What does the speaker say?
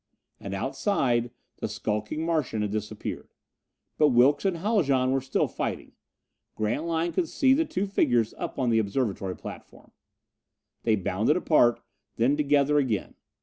And outside, the skulking Martian had disappeared. But Wilks and Haljan were still fighting. Grantline could see the two figures up on the observatory platform. They bounded apart, then together again.